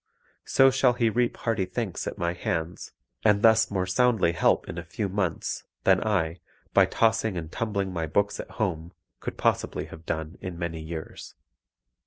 So shall he reap hearty thanks at my hands, and thus more soundly help in a few months, than I, by tossing and tumbling my books at home, could possibly have done in many years."